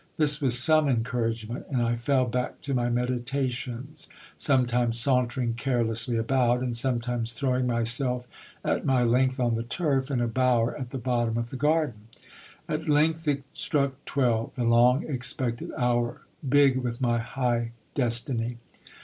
This was some encouragement, and I fell back to my medita tions, sometimes sauntering carelessly about, and sometimes throwing myself at my length on the turf, in a bower at the bottom of the garden. At length it struck twelve, the long expected hour, big with my high destiny.